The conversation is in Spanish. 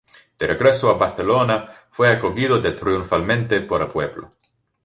De regreso a Barcelona, fue acogido triunfalmente por el pueblo.